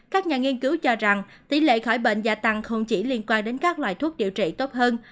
các nhà nghiên cứu cho rằng tỷ lệ khỏi bệnh gia tăng không chỉ liên quan đến các loại thuốc điều trị tốt hơn